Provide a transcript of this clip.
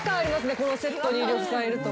このセットに呂布さんいると。